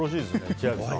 千秋さん。